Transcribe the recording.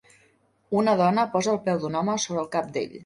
Una dona posa el peu d'un home sobre el cap d'ell.